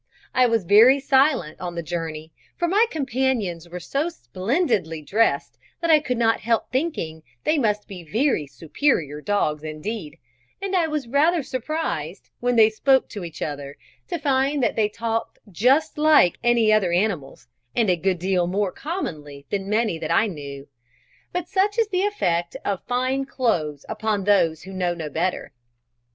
I was very silent on the journey, for my companions were so splendidly dressed that I could not help thinking they must be very superior dogs indeed; and I was rather surprised, when they spoke to each other, to find that they talked just like any other animals, and a good deal more commonly than many that I knew. But such is the effect of fine clothes upon those who know no better.